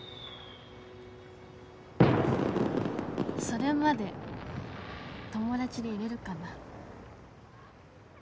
それまで友達でいれるかな？